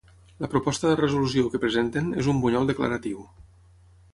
La proposta de resolució que presenten és un bunyol declaratiu.